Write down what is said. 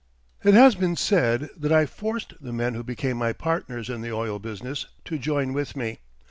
It has been said that I forced the men who became my partners in the oil business to join with me.